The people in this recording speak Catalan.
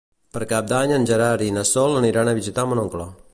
Per Cap d'Any en Gerard i na Sol aniran a visitar mon oncle.